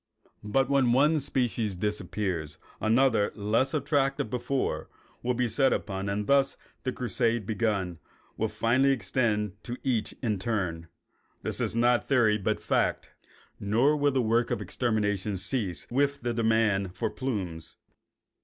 But when one species disappears another, less attractive before, will be set upon, and thus the crusade, once begun, will finally extend to each in turn. This is not theory but fact. Nor will the work of extermination cease with the demand for plumes.